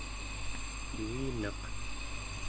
yuinaq